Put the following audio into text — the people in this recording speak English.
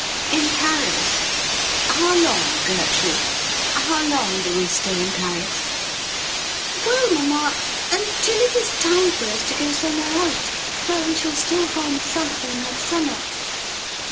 ' In Paris — ^how long, Gertrude ? How long do we stay in Paris ?'' Well, mamma, until it is time for us to go some ■where else — where we shall still find something like summer.'